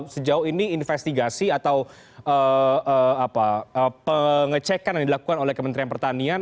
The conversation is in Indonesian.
sejauh ini investigasi atau pengecekan yang dilakukan oleh kementerian pertanian